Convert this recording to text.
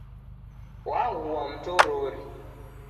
Waghua mtorori.